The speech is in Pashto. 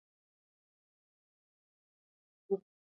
افغانستان کې د بولان پټي د نن او راتلونکي لپاره ارزښت لري.